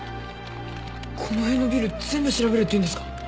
この辺のビル全部調べるっていうんですか？